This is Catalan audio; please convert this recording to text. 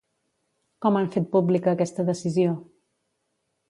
Com han fet pública aquesta decisió?